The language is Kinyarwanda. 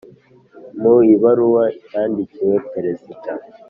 Mu ibaruwa yandikiwe Perezida